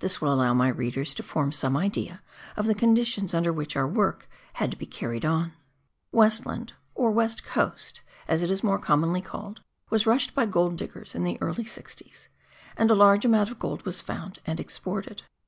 This will allow my readers to form some idea of the conditions under which our work had to be carried on. Westland, or West Coast," as it is more commonly called, was rushed by gold diggers in the early sixties, and a large amount of gold was found and exported.